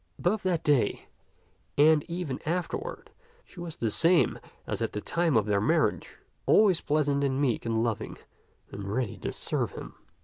Both that day and ever afterward she was the same as at the time of their marriage, always pleasant and meek and loving and ready to serve him.